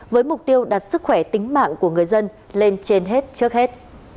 với mục tiêu đặt sức khỏe tính mạng của người dân lên trên hết trước hết